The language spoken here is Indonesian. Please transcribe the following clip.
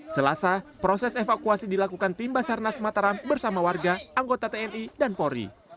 selasa proses evakuasi dilakukan tim basarnas mataram bersama warga anggota tni dan polri